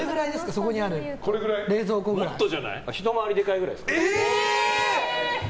そこにあるひと回りでかいくらいです。